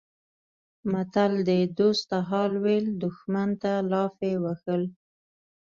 متل دی: دوست ته حال ویل دښمن ته لافې وهل